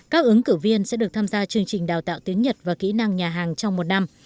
các ứng cử viên sẽ được tham gia chương trình đào tạo tiếng nhật và kỹ năng nhà hàng trong một năm